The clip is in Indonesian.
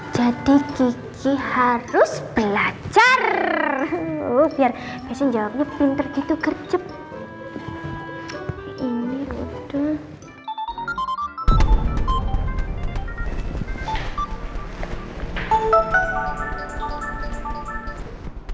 jadi kiki harus belajar lu biar bisa jawabnya pinter gitu kerjep ini udah